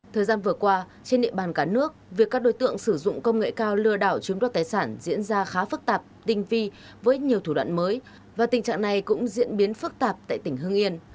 thời gian vừa qua trên địa bàn cả nước việc các đối tượng sử dụng công nghệ cao lừa đảo chiếm đoạt tài sản diễn ra khá phức tạp tinh vi với nhiều thủ đoạn mới và tình trạng này cũng diễn biến phức tạp tại tỉnh hương yên